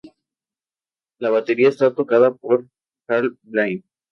La batería está tocada por Hal Blaine.